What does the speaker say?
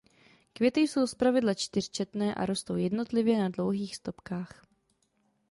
Květy jsou zpravidla čtyřčetné a rostou jednotlivě na dlouhých stopkách.